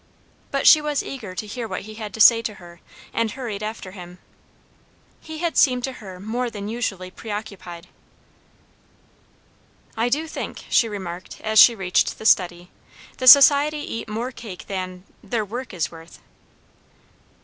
But she was eager to hear what he had to say to her, and hurried after him. He had seemed to her more than usually preoccupied. "I do think," she remarked as she reached the study, "the Society eat more cake than their work is worth."